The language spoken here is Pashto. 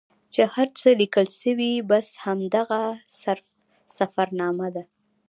چې هر څه لیکل سوي بس همدغه سفرنامه ده.